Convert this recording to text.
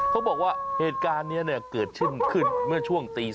เขาบอกว่าเหตุการณ์นี้เกิดขึ้นเมื่อช่วงตี๓